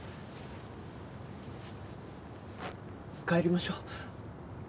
帰りましょう。